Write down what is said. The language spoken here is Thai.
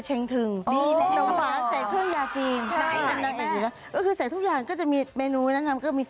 เผื่องยาจีนก็คือใส่ทุกอย่างก็จะมีเมนูนะครับ